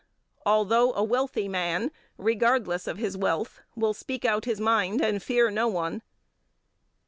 although a wealthy man, regardless of his wealth, will speak out his mind and fear no one; 10.